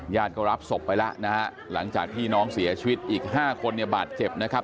ก็รับศพไปแล้วนะฮะหลังจากที่น้องเสียชีวิตอีก๕คนเนี่ยบาดเจ็บนะครับ